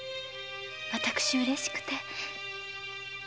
私うれしくて。